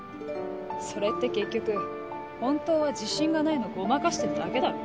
それって結局本当は自信がないのごまかしてるだけだろ。